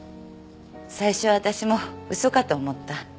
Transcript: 最初は私も嘘かと思った。